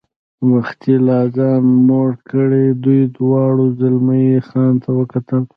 وختي لا ځان موړ کړی، دوی دواړو زلمی خان ته وکتل.